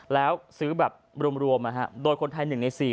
แล้วซื้อแบบรวมโดยคนไทย๑ใน๔